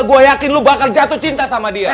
gue yakin lu bakal jatuh cinta sama dia